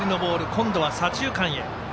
今度は左中間へ。